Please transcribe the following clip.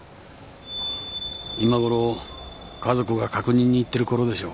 今ごろ家族が確認に行ってるころでしょう。